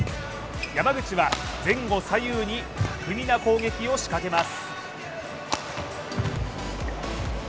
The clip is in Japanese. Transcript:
山口は前後左右に巧みな攻撃を仕掛けます。